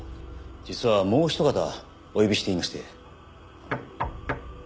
実はもう一方お呼びしていまして。